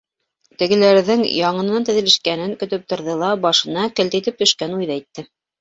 Тегеләрҙең яңынан теҙелешкәнен көтөп торҙо ла, башына «келт» итеп төшкән уйҙы әйтте: